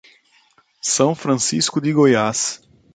São Francisco de Goiás